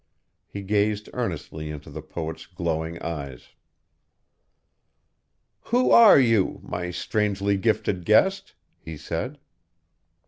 He gazed earnestly into the poet's glowing eyes. 'Who are you, my strangely gifted guest?' he said.